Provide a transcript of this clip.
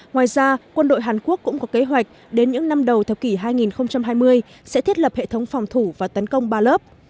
ngoài ra quân đội hàn quốc cũng có kế hoạch đến những năm đầu thập kỷ hai nghìn hai mươi sẽ thiết lập hệ thống phòng thủ và tấn công ba lớp